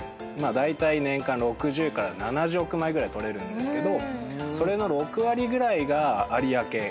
だいたい年間６０から７０億枚ぐらい取れるんですけどそれの６割ぐらいが有明海。